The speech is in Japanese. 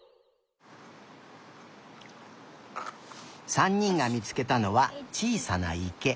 ３にんがみつけたのはちいさないけ。